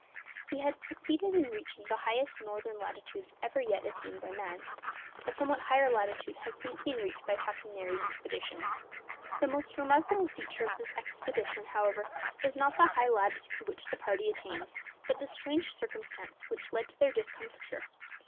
He had succeeded in reaching the highest northern latitudes ever yet attained by man. (A somewhat higher latitude has since been reached by Captain Nares's expedition.) The most remarkable feature of this expedition, however, is not the high latitude which the party attained, but the strange circumstance which led to their discomfiture.